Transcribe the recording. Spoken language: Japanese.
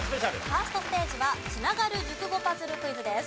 ファーストステージはつながる熟語パズルクイズです。